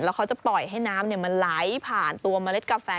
แล้วเขาจะปล่อยให้น้ำมันไหลผ่านตัวเมล็ดกาแฟ